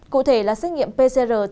cụ thể là xét nghiệm pcr tăng